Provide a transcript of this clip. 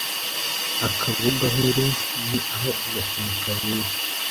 Akabugankuru: Ni aho agakino kabera.